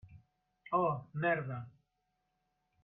Oh, merda.